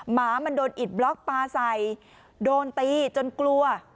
หมามันโดนอิดบล็อกปลาใส่โดนตีจนกลัว